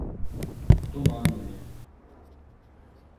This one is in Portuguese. tomando-lhe